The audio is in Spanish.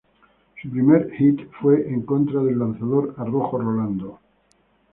Su primer hit fue en contra del lanzador Arrojo Rolando.